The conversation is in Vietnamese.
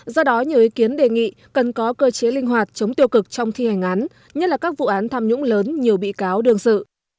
do đó nhiều ý kiến đề nghị cần có cơ chế linh hoạt chống tiêu cực trong thi hành án nhất là các vụ án tham nhũng lớn nhiều bị cáo đương sự